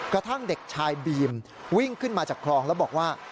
กระทั่งเด็กชายบีมวิ่งขึ้นมาจากคลองแล้วบอกว่า